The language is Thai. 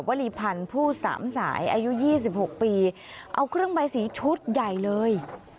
วลีพันธ์ผู้สามสายอายุ๒๖ปีเอาเครื่องใบสีชุดใหญ่เลย